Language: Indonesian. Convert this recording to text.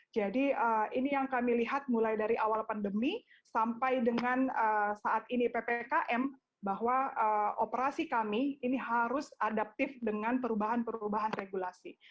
jadi ini yang kami lihat mulai dari awal pandemi sampai dengan saat ini ppkm bahwa operasi kami ini harus adaptif dengan perubahan perubahan regulasi